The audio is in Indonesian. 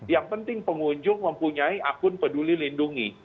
yang penting pengunjung mempunyai akun peduli lindungi